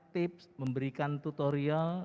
tips memberikan tutorial